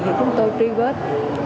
thì chúng tôi tri vết